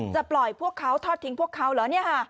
ปล่อยพวกเขาทอดทิ้งพวกเขาเหรอ